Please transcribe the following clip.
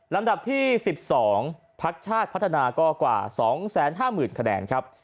ลำดับที่๑๒พักชาติพัฒนาก็กว่า๒๕๐๐๐คะแนนครับ